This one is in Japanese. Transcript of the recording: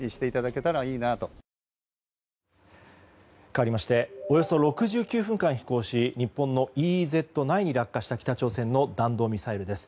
かわりましておよそ６９分間飛行し日本のＥＥＺ内に落下した北朝鮮の弾道ミサイルです。